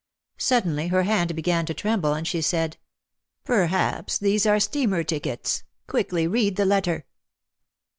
Suddenly her hand began to tremble and she said, "Perhaps these are steamer tickets. Quickly read the letter."